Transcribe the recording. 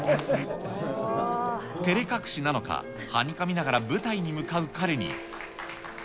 てれ隠しなのか、はにかみながら舞台に向かう彼に。